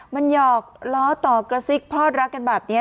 มันหยอกล้อต่อกระซิกพลอดรักกันแบบนี้